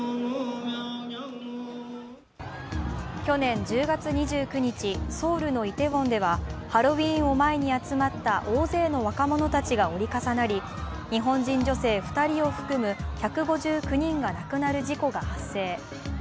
去年１０月２９日、ソウルのイテウォンではハロウィーンを前に集まった大勢の若者たちが折り重なり日本人女性２人を含む１５９人が亡くなる事故が発生。